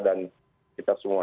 dan kita semua